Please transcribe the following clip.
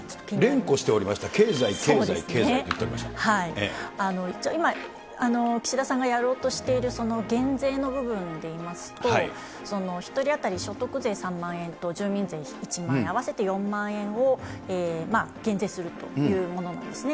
連呼しておりました、経済、一応今、岸田さんがやろうとしている減税の部分でいいますと、１人当たり所得税３万円と住民税１万円、合わせて４万円を減税するというものなんですね。